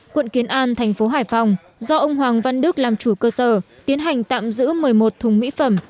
quận kiến an thành phố hải phòng do ông hoàng văn đức làm chủ cơ sở tiến hành tạm giữ một mươi một thùng mỹ phẩm